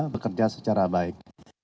bekerja secara baik